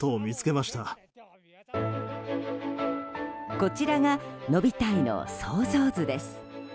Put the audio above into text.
こちらがノビタイの想像図です。